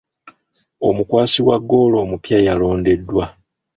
Omukwasi wa ggoolo omupya yalondeddwa.